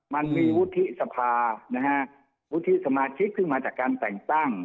มันมีวุฒิสภานะฮะวุฒิสมาชิกขึ้นมาจากการแต่งตั้ง